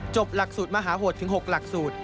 หลักสูตรมหาโหดถึง๖หลักสูตร